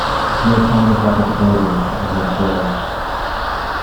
He had tried his luck at the tables and had failed.